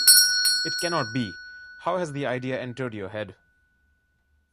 It cannot be: how has the idea entered your head?